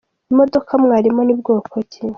Imodoka mwarimo ni bwoko ki ?.